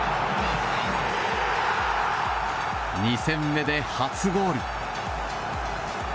２戦目で初ゴール。